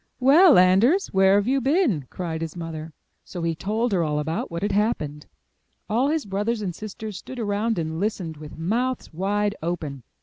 *'Well, Anders, where have you been?*' cried his mother. So he told her all about what had happened. All his brothers and sisters stood around and listened with mouths wide open.